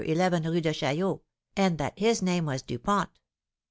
11 Rue de Chaillot, and that his name was Dupont.'